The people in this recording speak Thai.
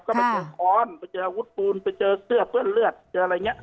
ก็ไปเจอค้อนไปเจออาวุธปืนไปเจอเสื้อเปื้อนเลือดเจออะไรอย่างนี้